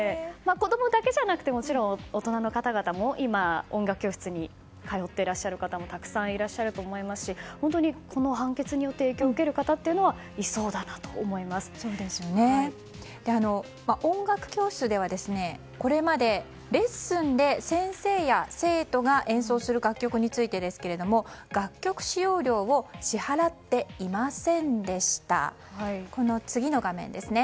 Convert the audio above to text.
子供だけじゃなくてもちろん大人の方々も今、音楽教室に通っていらっしゃる方もたくさんいらっしゃると思いますし本当にこの判決によって影響を受ける方は音楽教室ではこれまでレッスンで先生や生徒が演奏する楽曲についてですが楽曲使用料を支払っていませんでした。